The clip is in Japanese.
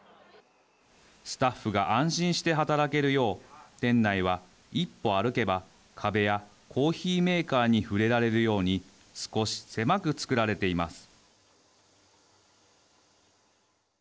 スタッフが安心して働けるよう店内は一歩、歩けば壁やコーヒーメーカーに触れられるように少し狭くつくられています。